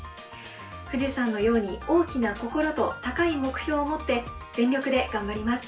富士山のように大きな心と高い目標を持って全力で頑張ります。